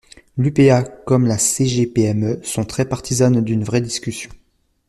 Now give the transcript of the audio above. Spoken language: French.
L’UPA comme la CGPME sont très partisanes d’une vraie discussion.